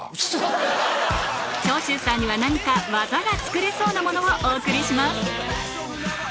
長州さんには何か技が作れそうなものをお送りします